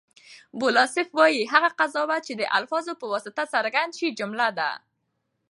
بوسلایف وایي، هغه قضاوت، چي د الفاظو په واسطه څرګند سي؛ جمله ده.